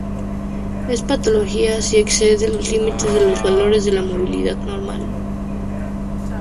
Es patológica si excede los límites de los valores de la movilidad normal.